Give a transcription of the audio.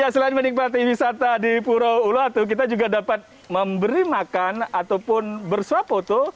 selain menikmati wisata di purau uluatu kita juga dapat memberi makan ataupun bersuapoto